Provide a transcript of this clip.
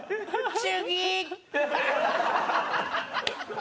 次！